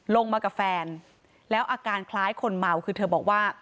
ลงมากับแฟนแล้วอาการคล้ายคนเมาคือเธอบอกว่า